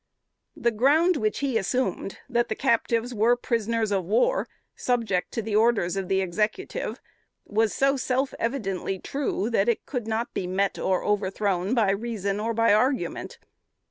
The ground which he assumed, that the captives were prisoners of war, subject to the orders of the Executive, was so self evidently true that it could not be met or overthrown, by reason or by argument.